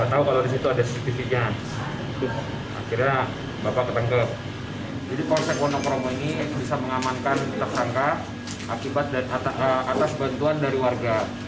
di mapolsek wonokromo ini bisa mengamankan tersangka atas bantuan dari warga